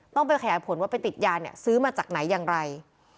ต้องไปขยายผลว่าไปติดยาเนี่ยซื้อมาจากไหนอย่างไร